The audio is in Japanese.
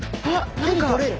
手に取れる。